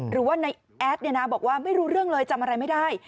หรือว่าในแอดบอกว่าไม่รู้เรื่องเลยจำอะไรไม่ได้